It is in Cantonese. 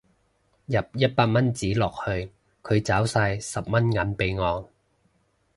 入一百蚊紙落去佢找晒十蚊銀俾我